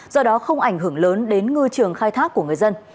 do đó không ảnh hưởng lớn đến ngư trường khai thác của người dân